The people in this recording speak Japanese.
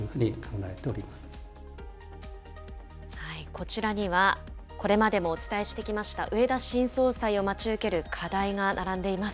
こちらには、これまでもお伝えしてきました植田新総裁を待ち受ける課題が並ん